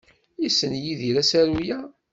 Yessen Yidir asaru-a?